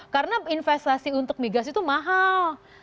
karena investasi untuk migas itu mahal